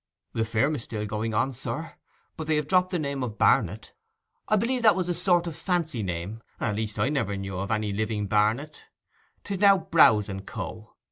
'The firm is still going on, sir, but they have dropped the name of Barnet. I believe that was a sort of fancy name—at least, I never knew of any living Barnet. 'Tis now Browse and Co.